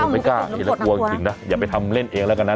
ไม่กล้าไม่กล้าไม่กลัวอีกนะอย่าไปทำเล่นเองละกันนะ